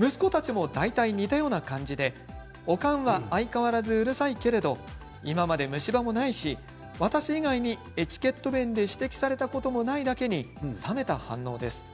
息子たちも大体、似たような感じでおかんは相変わらずうるさいけれど今まで虫歯もないし私以外にエチケット面で指摘されたこともないだけに冷めた反応です。